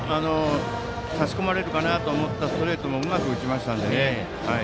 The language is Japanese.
差し込まれるかなと思ったストレートをうまく打ちましたので。